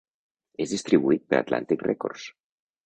És distribuït per Atlantic Records.